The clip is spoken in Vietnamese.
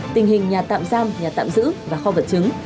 tình hình nhà tạm giam nhà tạm giữ và kho vật chứng